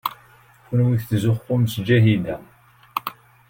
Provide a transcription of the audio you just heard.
Kenwi tettzuxxum s Ǧahida.